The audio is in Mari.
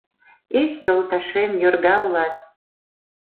Эх, йолташем, йорга улат